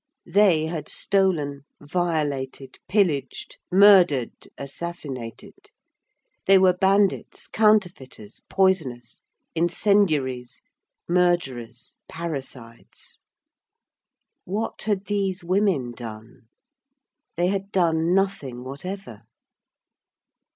They had stolen, violated, pillaged, murdered, assassinated. They were bandits, counterfeiters, poisoners, incendiaries, murderers, parricides. What had these women done? They had done nothing whatever.